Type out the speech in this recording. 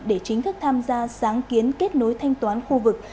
để chính thức tham gia sáng kiến kết nối thanh toán khu vực